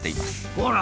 ほら！